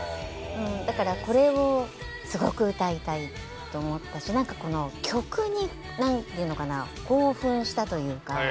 だからこれをすごく歌いたいと思ったし何かこの曲に興奮したというか。